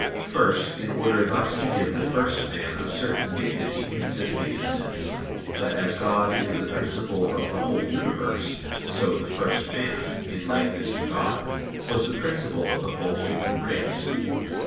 First, in order thus to give the first man a certain dignity consisting in this, that as God is the principle of the whole universe, so the first man, in likeness to God, was the principle of the whole human race.